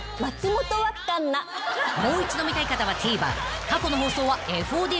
［もう一度見たい方はＴＶｅｒ過去の放送はＦＯＤで］